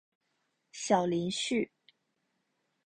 小林旭。